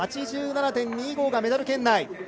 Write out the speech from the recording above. ８７．２５がメダル圏内。